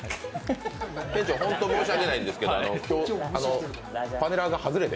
本当に申し訳ないんですけど今日、パネラーが外れで。